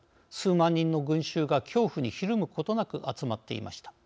万人の群衆が恐怖にひるむことなく集まっていました。